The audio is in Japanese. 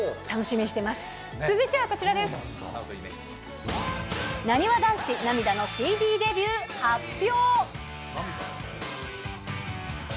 なにわ男子、涙のＣＤデビュー発表！